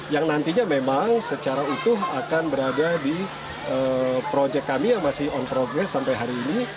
yang nantinya memang secara utuh akan berada di proyek kami yang masih on progress sampai hari ini